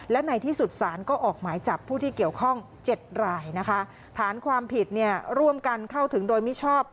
และในที่สุดสารก็ออกหมายจับผู้ที่เกี่ยวข้อง๗รายนะคะฐานความผิดเนี่ยร่วมกันเข้าถึงโดยมิชอบ